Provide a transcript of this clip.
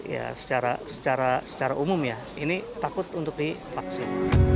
ya secara umum ya ini takut untuk divaksin